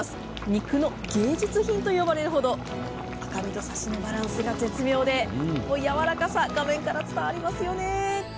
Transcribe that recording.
肉の芸術品と呼ばれるほど赤身とサシのバランスが絶妙でやわらかさ画面から伝わりますよね。